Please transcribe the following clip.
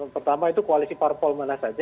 pertama itu koalisi parpol mana saja